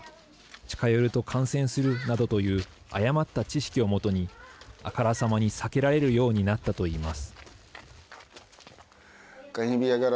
近寄ると感染するなどという誤った知識を基にあからさまに避けられるようになったと言います。